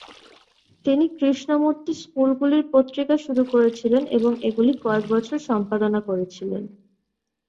তিনি কৃষ্ণমূর্তি স্কুলগুলির পত্রিকা শুরু করেছিলেন এবং এগুলি কয়েক বছর সম্পাদনা করেছিলেন।